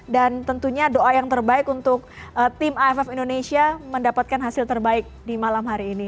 dan tentunya doa yang terbaik untuk tim aff indonesia mendapatkan hasil terbaik di malam hari ini